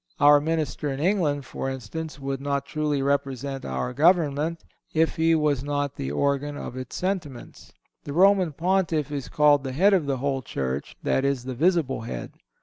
Our minister in England, for instance, would not truly represent our Government if he was not the organ of its sentiments. The Roman Pontiff is called the Head of the whole Church—that is, the visible Head.